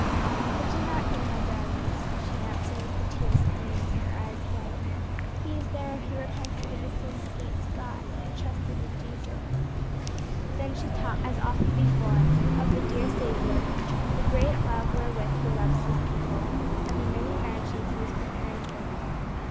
"I do not know, my darlings," she answered, the tears coming into her eyes again; "he is there if he repented of his sins against God, and trusted in Jesus." Then she talked to them, as often before, of the dear Saviour the great love wherewith he loves his people, and the many mansions he is preparing for them.